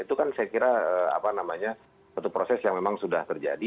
itu kan saya kira satu proses yang memang sudah terjadi